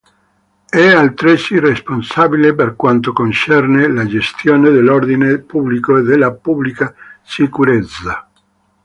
È altresì responsabile per quanto concerne la gestione dell'ordine pubblico e della pubblica sicurezza.